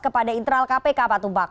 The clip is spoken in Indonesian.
kepada internal kpk apa tumpak